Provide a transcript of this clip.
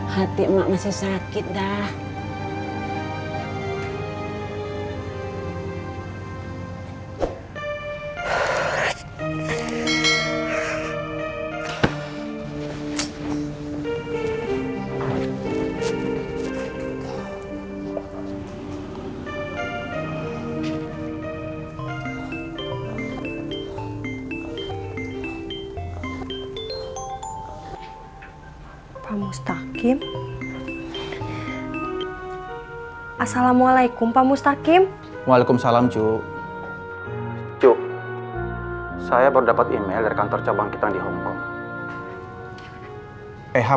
hati emak masih sakit dah